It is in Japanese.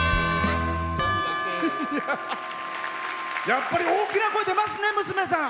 やっぱり大きな声、出ますね、娘さん。